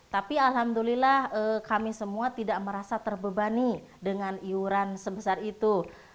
tapi alhamdulillah kami semua tidak merasa terbebani dengan iuran sebesar itu